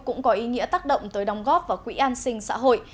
cũng có ý nghĩa tác động tới đồng góp vào quỹ an sinh xã hội